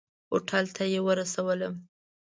هوټل ته یې ورسولم.